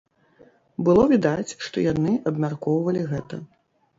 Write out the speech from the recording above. Было відаць, што яны абмяркоўвалі гэта.